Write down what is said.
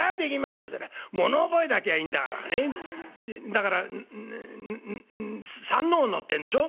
だから『山王の』ってんでしょ？